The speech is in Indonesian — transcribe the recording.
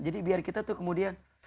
jadi biar kita tuh kemudian